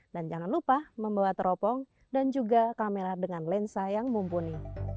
dan jangan lupa membawa teropong dan juga kamera dengan lensa yang mumpuni